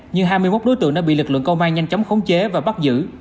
nhưng hai mươi một đối tượng đã bị lực lượng công an nhanh chóng khống chế và bắt giữ